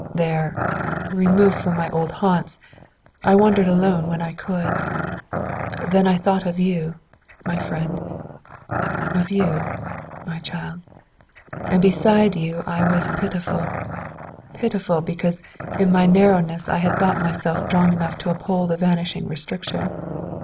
There, removed from my old haunts, I wandered alone when I could. Then I thought of you, my friend, of you, my child, and beside you I was pitiful, pitiful, because in my narrowness I had thought myself strong enough to uphold a vanishing restriction.